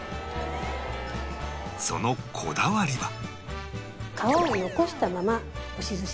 そのこだわりは